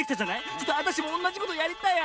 ちょっとあたしもおんなじことやりたいあれ。